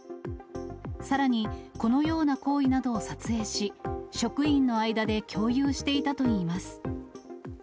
さらに、このような行為などを撮影し、職員の間で共有していたといいます。